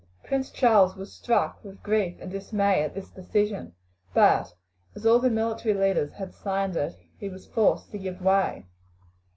Prince Charles was struck with grief and dismay at this decision, but as all the military leaders had signed it he was forced to give way.